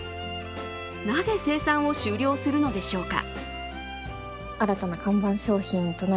なぜ生産を終了するのでしょうか。